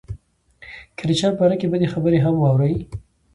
که د چا په باره کې بدې خبرې هم واوري.